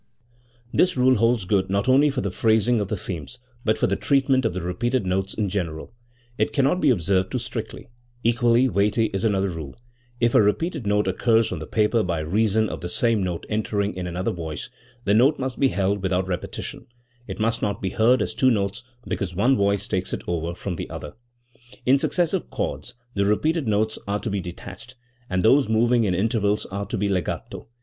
This rule holds good not only for the phrasing of the themes, but for the treatment of the repeated notes in general. It cannot be observed too strictly. Equally weighty is another rule. If a repeated note occurs on the paper by reason of the same note entering in another voice, the note must be held without repetition; it must not be heard as two notes because one voice takes it over from the other. In successive chords, the repeated notes are to be de tached, and those moving in intervals are to be legato.